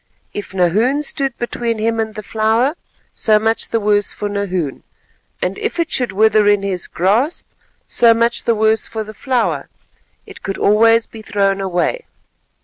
If Nahoon stood between him and the flower, so much the worse for Nahoon, and if it should wither in his grasp, so much the worse for the flower; it could always be thrown away.